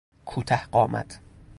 کوته قامت